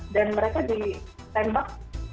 dan mereka ditembak